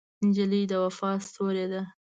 نجلۍ د وفا ستورې ده.